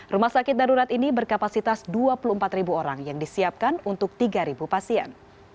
rumah sakit darurat ini berkapasitas dua puluh empat orang yang disiapkan untuk tiga pasien